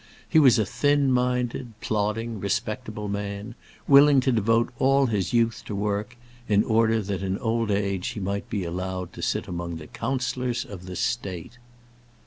He was a thin minded, plodding, respectable man, willing to devote all his youth to work, in order that in old age he might be allowed to sit among the Councillors of the State.